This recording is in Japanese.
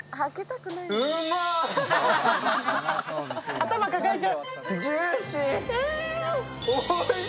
頭抱えちゃう。